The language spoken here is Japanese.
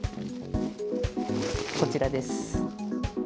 こちらです。